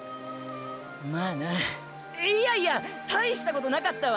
まぁないやいや大したことなかったわ。